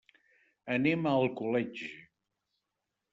Anem a Alcoletge.